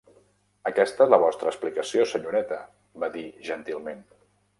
"Aquesta és la vostra explicació, senyoreta", va dir gentilment.